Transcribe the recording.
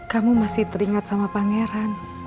kamu masih teringat sama pangeran